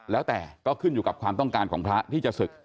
แล้วแต่ก็ขึ้นอยู่กับความต้องการของพระที่จะศึก